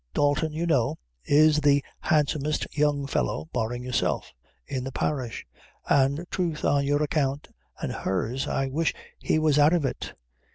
Dalton, you know, is the handsomest young fellow, barring yourself, in the parish; an' troth on your account an' hers, I wish he was out of it.